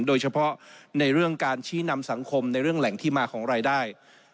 โดยเฉพาะในเรื่องการชี้นำสังคมในเรื่องแหล่งที่มาของรายได้